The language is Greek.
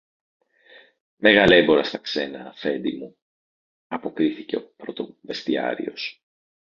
Μεγαλέμπορος στα ξένα, Αφέντη μου, αποκρίθηκε ο πρωτοβεστιάριος.